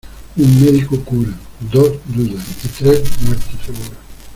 Un médico cura, dos dudan y tres muerte segura.